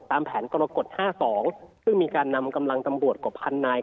แผนกรกฎ๕๒ซึ่งมีการนำกำลังตำรวจกว่าพันนาย